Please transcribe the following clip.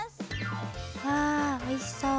わあおいしそう。